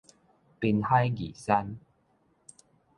濱海義山